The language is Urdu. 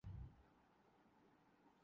یہ مابعد الطبیعیات کی باتیں ہیں۔